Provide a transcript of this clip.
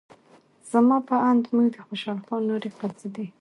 زما په اند موږ د خوشال خان نورې قصیدې